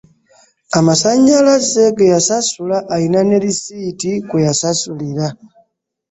Amasannyalaze ge yasasula alina ne lisiiti kwe yasasulira